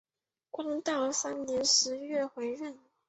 道光三年十月回任。